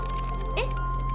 えっ？